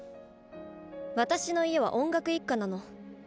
私の家は音楽一家なの。